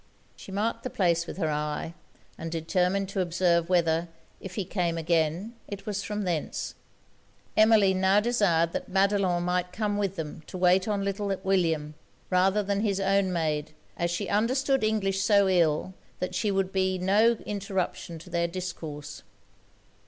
She marked the place with her eye; and determined to observe whether, if he came again, it was from thence. Emmeline now desired that Madelon might come with them to wait on little William, rather than his own maid; as she understood English so ill, that she would be no interruption to their discourse.